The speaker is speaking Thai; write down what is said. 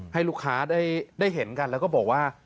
ให้ลูกค้าได้เห็นกันแล้วก็บอกว่า